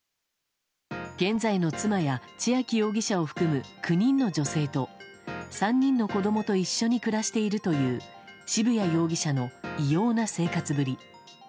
現在の妻や千秋容疑者を含む９人の女性と３人の子供と一緒に暮らしているという渋谷容疑者の異様な生活ぶり。